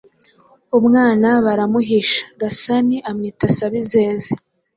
umwana baramuhisha. Gasani amwita Sabizeze,